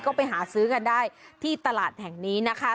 ก็ไปหาซื้อกันได้ที่ตลาดแห่งนี้นะคะ